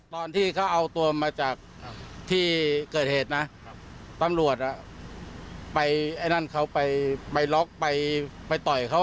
ตอนที่เขาเอาตัวมาจากที่เกิดเหตุนะตำรวจไปไอ้นั่นเขาไปล็อกไปต่อยเขา